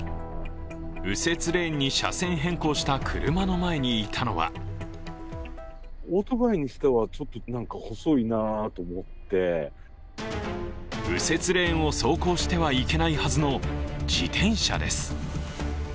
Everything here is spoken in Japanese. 右折レーンに車線変更した車の前にいたのは右折レーンを走行してはいけないはずの自転車です。